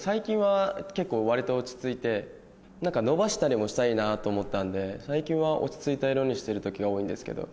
伸ばしたりもしたいなと思ったんで最近は落ち着いた色にしてる時が多いんですけど。